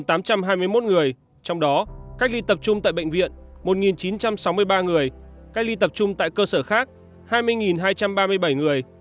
trong đó cách ly tập trung tại bệnh viện một chín trăm sáu mươi ba người cách ly tập trung tại cơ sở khác hai mươi hai trăm ba mươi bảy người